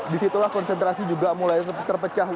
disitulah konsentrasi juga mulai terpecah